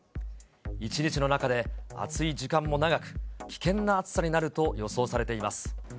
一日の中で暑い時間も長く、危険な暑さになると予想されています。